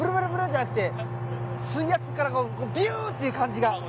じゃなくて水圧からビュン！って感じが。